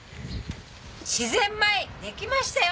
自然米できましたよ。